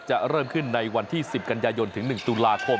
จะเริ่มขึ้นในวันที่๑๐กันยายนถึง๑ตุลาคม